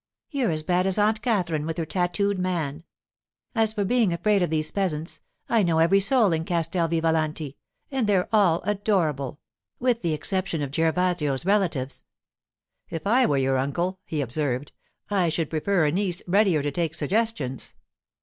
'You're as bad as Aunt Katherine with her tattooed man! As for being afraid of these peasants, I know every soul in Castel Vivalanti, and they're all adorable—with the exception of Gervasio's relatives.' 'If I were your uncle,' he observed, 'I should prefer a niece readier to take suggestions.